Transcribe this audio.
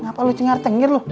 ngapa lu cengar tengir lu